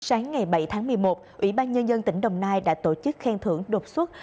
sáng ngày bảy tháng một mươi một ủy ban nhân dân tỉnh đồng nai đã tổ chức khen thưởng đột xuất